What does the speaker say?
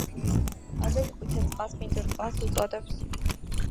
ზოგი ყვითელ წყალს „ბინძურ წყალს“ უწოდებს.